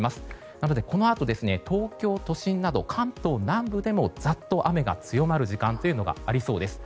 なので、このあと東京都心など、関東南部でもざっと雨が強まる時間がありそうです。